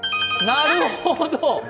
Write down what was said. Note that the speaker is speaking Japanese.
なるほど！